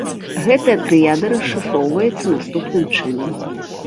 Гэтая трыяда расшыфроўваецца наступным чынам.